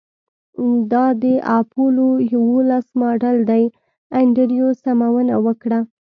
دا د اپولو یوولس ماډل دی انډریو سمونه وکړه